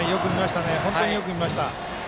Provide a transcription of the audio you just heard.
本当によく見ました。